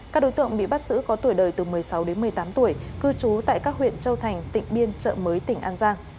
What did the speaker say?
các đối tượng bị bắt giữ có tuổi đời từ một mươi sáu đến một mươi tám tuổi cư trú tại các huyện châu thành tỉnh biên chợ mới tỉnh an giang